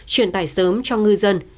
truyền tài sớm cho ngư dân